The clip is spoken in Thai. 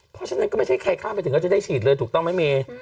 เพราะฉะนั้นก็ไม่ใช่ใครข้ามไปถึงก็จะได้ฉีดเลยถูกต้องไหมเม